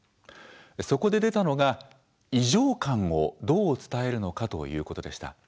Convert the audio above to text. そこで出たのが、異常感をどう伝えるのかということでした。